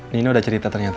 nino udah cerita ternyata